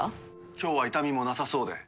今日は痛みもなさそうで。